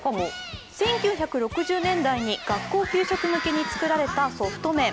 １９６０年代に学校給食向けに作られたソフト麺。